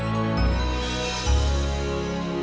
mereka udah ada